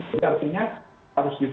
jadi artinya harus gitu